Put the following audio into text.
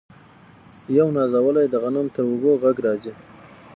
یو نازولی د غنم تر وږو ږغ راځي